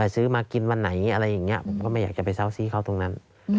ซื้อมากินวันไหนอะไรอย่างนี้ผมก็ไม่อยากจะไปเซาซีเขาตรงนั้น